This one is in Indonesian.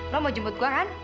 lo mau jemput gue kan